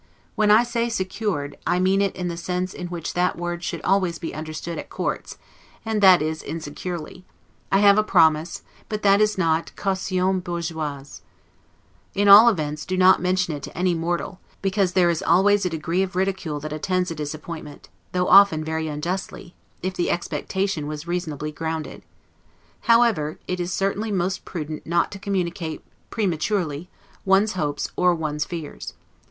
When I say SECURED, I mean it in the sense in which that word should always be understood at courts, and that is, INSECURELY; I have a promise, but that is not 'caution bourgeoise'. In all events, do not mention it to any mortal, because there is always a degree of ridicule that attends a disappointment, though often very unjustly, if the expectation was reasonably grounded; however, it is certainly most prudent not to communicate, prematurely, one's hopes or one's fears.